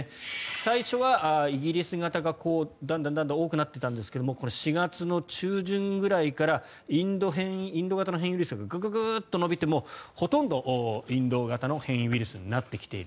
最初はイギリス型がだんだん多くなっていたんですが４月の中旬ぐらいからインド型の変異ウイルスがグググッと伸びてもうほとんどインド型の変異ウイルスになってきている。